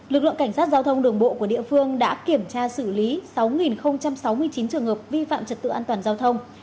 lực lượng cảnh sát giao thông đường bộ của địa phương đã kiểm tra xử lý sáu sáu mươi chín trường hợp vi phạm trật tự an toàn giao thông